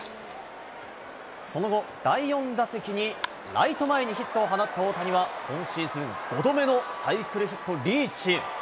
その後、第４打席に、ライト前にヒットを放った大谷は、今シーズン５度目のサイクルヒットリーチ。